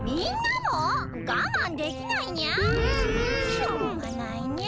しょうがないにゃ。